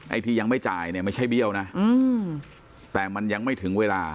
ที่ยังไม่จ่ายเนี่ยไม่ใช่เบี้ยวนะแต่มันยังไม่ถึงเวลา